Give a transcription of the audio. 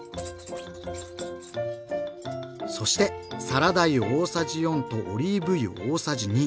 そしてサラダ油大さじ４とオリーブ油大さじ２。